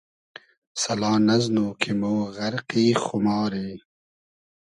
سئلا نئزنو کی مۉ غئرقی خوماری